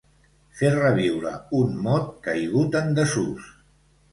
Fer reviure un mot caigut en desús.